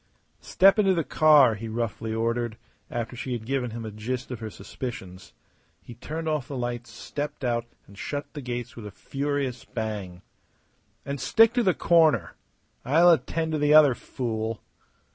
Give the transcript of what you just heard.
"Step into the car!" he roughly ordered, after she had given him a gist of her suspicions. He turned off the lights, stepped out, and shut the gates with a furious bang. "And stick to the corner! I'll attend to the other fool."